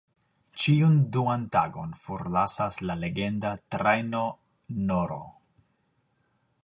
Ĉiun duan tagon forlasas la legenda "Trajno N-ro.